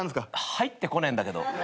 入ってこねえんだけど。